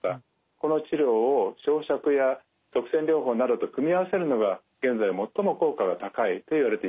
この治療を焼しゃくや塞栓療法などと組み合わせるのが現在最も効果が高いといわれていますね。